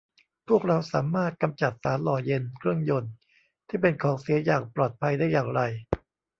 พวกเราสามารถกำจัดสารหล่อเย็นเครื่องยนต์ที่เป็นของเสียอย่างปลอดภัยได้อย่างไร